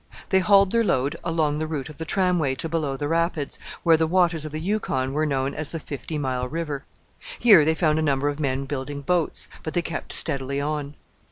They hauled their load along the route of the tramway to below the rapids, where the waters of the Yukon are known as the Fifty Mile River. Here they found a number of men building boats, but they kept steadily on.